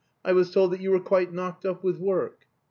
I was told that you were quite knocked up with work."